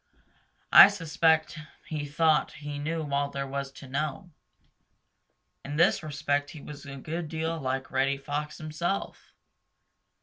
I suspect he thought he knew all there was to know. In this respect he was a good deal like Reddy Fox himself.